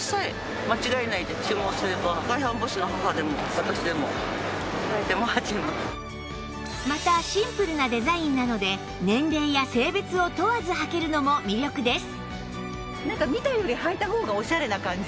私実はまたシンプルなデザインなので年齢や性別を問わず履けるのも魅力です